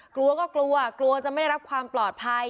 กลัวก็กลัวกลัวจะไม่ได้รับความปลอดภัย